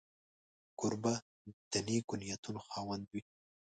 کوربه د نېکو نیتونو خاوند وي.